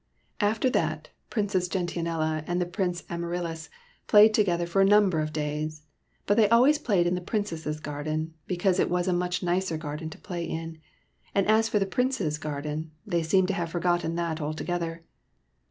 After that. Princess Gentianella and Prince Amaryllis played together for a number of days. But they always played in the Princess's garden, because it was a much nicer garden to play in ; and as for the Prince s garden, they seemed to have forgotten that altogether.